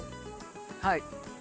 はい。